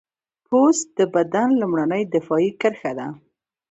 پوست د بدن لومړنۍ دفاعي کرښه ده.